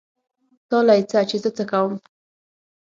تا له يې څه چې زه څه کوم.